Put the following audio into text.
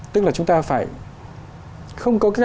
tức là chúng ta phải không có cách nào khác